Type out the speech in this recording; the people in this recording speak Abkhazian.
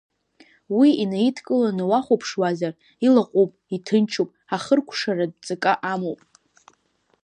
Уи инеидкыланы уахәаԥшуазар, илаҟәуп, иҭынчуп, ахыркәшаратә ҵакы амоуп.